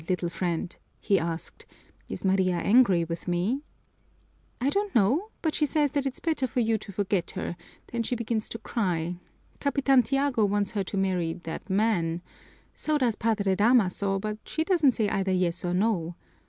"Tell me, little friend," he asked, "is Maria angry with me?" "I don't know, but she says that it's better for you to forget her, then she begins to cry. Capitan Tiago wants her to marry that man. So does Padre Damaso, but she doesn't say either yes or no.